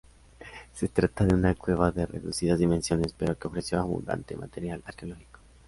Se trata de una cueva de reducidas dimensiones pero que ofreció abundante material arqueológico.